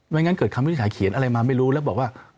งั้นเกิดคำวินิจฉัยเขียนอะไรมาไม่รู้แล้วบอกว่า